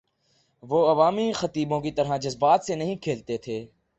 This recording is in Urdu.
وہ عوامی خطیبوں کی طرح جذبات سے نہیں کھیلتے تھے۔